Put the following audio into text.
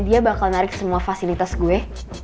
dia bakal narik semua fasilitas gue